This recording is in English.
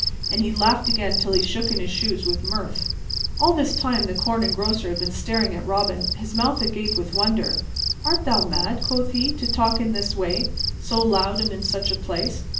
And he laughed again till he shook in his shoes with mirth. All this time the Corn Engrosser had been staring at Robin, his mouth agape with wonder. "Art thou mad," quoth he, "to talk in this way, so loud and in such a place?